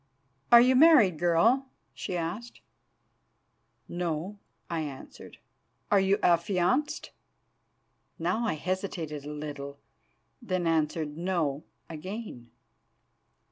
"'Are you married, girl?' she asked. "'No,' I answered. "'Are you affianced?' "Now I hesitated a little, then answered 'No' again.